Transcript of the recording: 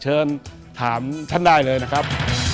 เชิญถามท่านได้เลยนะครับ